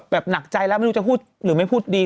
หนักใจแล้วไม่รู้จะพูดหรือไม่พูดดี